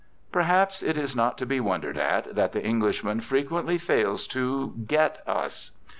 Perhaps it is not to be wondered at that the Englishman frequently fails to get us.